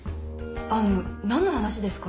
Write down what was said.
あの何の話ですか？